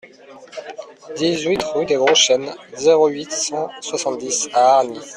dix-huit rue des Gros Chênes, zéro huit, cent soixante-dix à Hargnies